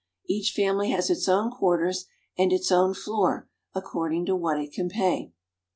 Each family has its own quarters and its own floor, according to what it can pay.